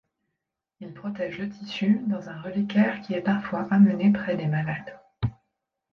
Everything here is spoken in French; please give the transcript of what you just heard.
Il protège le tissu dans un reliquaire qui est parfois amené près des malades.